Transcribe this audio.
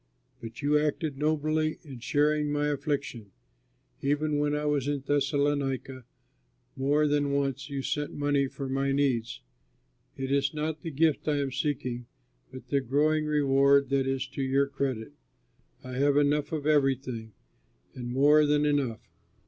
But you acted nobly in sharing my affliction. Even when I was in Thessalonica, more than once you sent money for my needs. It is not the gift I am seeking, but the growing reward that is to your credit! I have enough of everything, and more than enough.